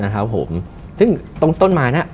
ซึ่งต้นไม้นั้น